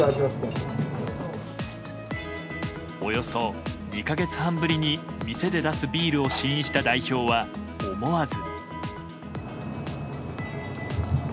およそ２か月半ぶりに店で出すビールを試飲した代表は、思わず。